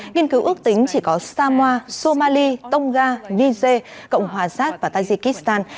nghiên cứu ước tính chỉ có sama somali tonga niger cộng hòa sát và tajikistan